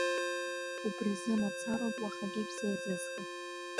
Убри азы мацароуп уахагьы шәзеизызга!